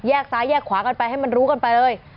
ซ้ายแยกขวากันไปให้มันรู้กันไปเลย